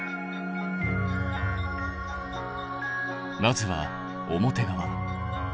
まずは表側。